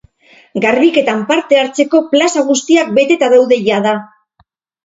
Garbiketan parte hartzeko plaza guztiak beteta daude jada.